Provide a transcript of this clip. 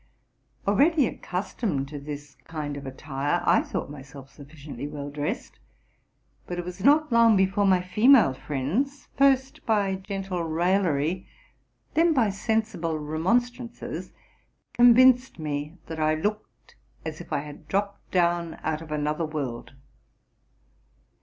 Already accustomed to this kind of attire, I thought myself sufficiently well dressed; but it was not long before my fe male friends, first by gentle raillery, then by 'sensible remon strances, convinced me that I looked as if I had dropped down out of another world.